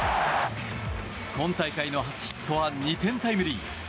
今大会の初ヒットは２点タイムリー。